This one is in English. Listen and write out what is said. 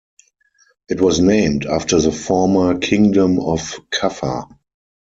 It was named after the former Kingdom of Kaffa.